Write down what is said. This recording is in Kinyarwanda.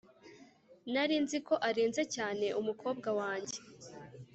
nari nzi ko arenze cyane umukobwa wanjye.